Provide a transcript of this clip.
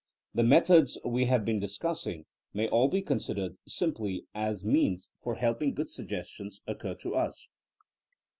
The methods we have been discussing may all be considered simply as means for helping good suggestions occur to us.